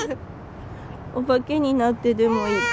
お化けになってでもいいから。